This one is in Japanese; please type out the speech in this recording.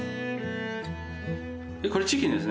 これチキンですね。